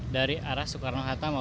dari arah soekarno hatta